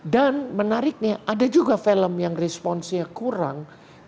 dan menariknya ada juga film yang responsenya kurang